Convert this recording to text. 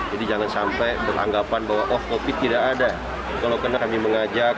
jadi jangan sampai beranggapan bahwa covid tidak ada